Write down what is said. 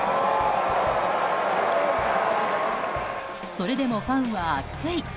それでもファンは熱い！